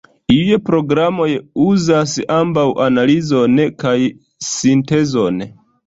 Iuj programoj uzas ambaŭ analizon kaj sintezon.